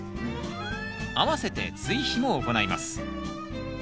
あわせて追肥も行います。